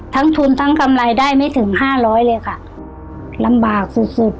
ทั้งทุนทั้งกำไรได้ไม่ถึงห้าร้อยเลยค่ะลำบากสุดสุด